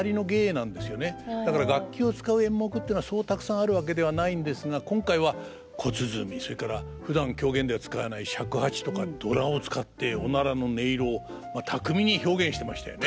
だから楽器を使う演目っていうのはそうたくさんあるわけではないんですが今回は小鼓それからふだん狂言では使わない尺八とかドラを使っておならの音色を巧みに表現してましたよね。